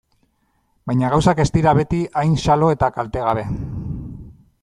Baina gauzak ez dira beti hain xalo eta kaltegabe.